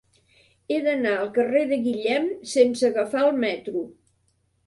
He d'anar al carrer de Guillem sense agafar el metro.